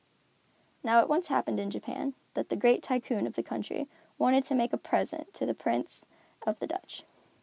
Now it once happened in Japan that the great Tycoon of the country wanted to make a present to the Prince of the Dutch.